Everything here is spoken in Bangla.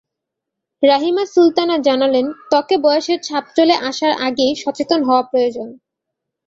রাহিমা সুলতানা জানালেন, ত্বকে বয়সের ছাপ চলে আসার আগেই সচেতন হওয়া প্রয়োজন।